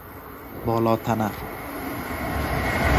بالاتنه